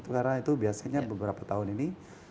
karena itu biasanya beberapa tahun ini